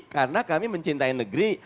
karena kami mencintai negeri